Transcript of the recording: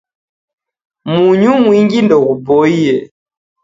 Munyu mwingi ndeghuboie